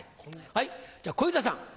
はいじゃあ小遊三さん。